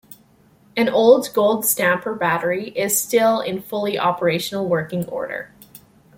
An old gold stamper battery is still in fully operational working order.